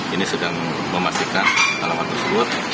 ini sedang memastikan alamat tersebut